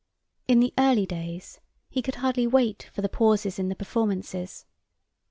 In the early days he could hardly wait for the pauses in the performances.